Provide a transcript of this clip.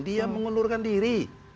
dia mengelurkan diri